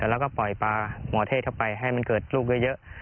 แล้วก็ปล่อยปลาหมอเทศเข้าไปให้มันเกิดลูกเยอะ